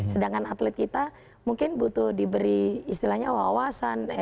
sedangkan atlet kita mungkin butuh diberi istilahnya wawasan